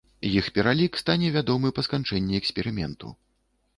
Іх пералік стане вядомы па сканчэнні эксперыменту.